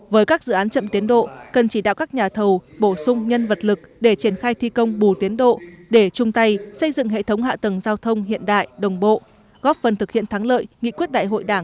với các dự án chậm tiến độ cần chỉ đạo các nhà thầu bổ sung nhân vật lực để triển khai thi công bù tiến độ để chung tay xây dựng hệ thống hạ tầng giao thông hiện đại đồng bộ góp phần thực hiện thắng lợi nghị quyết đại hội đảng